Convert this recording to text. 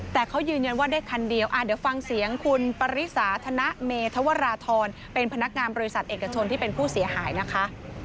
แต่เขายืนยันว่าได้คันเดียวเดี๋ยวฟังเสียงคุณปริสาธนเมธวราธรเป็นพนักงานบริษัทเอกชนที่เป็นผู้เสียหายนะคะ